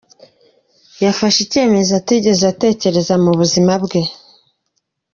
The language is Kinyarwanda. Yafashe icyemezo atigeze atekereza mu buzima bwe.